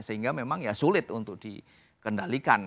sehingga memang ya sulit untuk dikendalikan